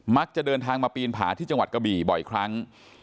จะเดินทางมาปีนผาที่จังหวัดกะบี่บ่อยครั้ง